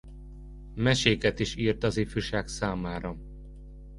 Meséket is írt az ifjúság számára.